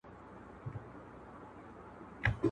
هغه د ناولونو بشپړ متن هم راوړی دی.